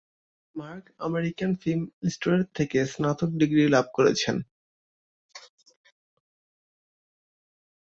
Mark American Film Institute থেকে স্নাতক degree লাভ করেছেন।